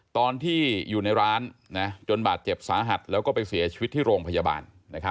ตอนที่อยู่ในร้านจนบาดเจ็บสาหัสแล้วก็ไปเสียชีวิตที่โรงพยาบาล